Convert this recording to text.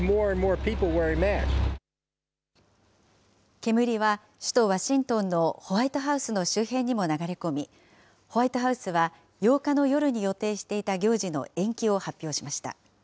煙は首都ワシントンのホワイトハウスの周辺にも流れ込み、ホワイトハウスは、８日の夜に予定していた行事の延期を発表しました。